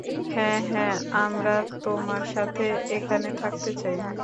হ্যাঁ, হ্যাঁ, আমরা তোমার সাথে এখানে থাকতে চাই।